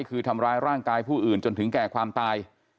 คือทำร้ายร่างกายผู้อื่นจนถึงแก่ความตาย